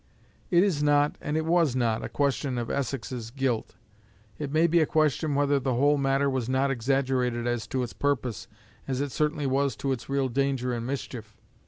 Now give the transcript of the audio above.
It is not, and it was not, a question of Essex's guilt. It may be a question whether the whole matter was not exaggerated as to its purpose, as it certainly was as to its real danger and mischief.